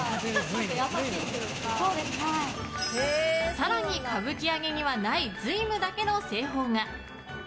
更に、歌舞伎揚にはない瑞夢だけの製法が。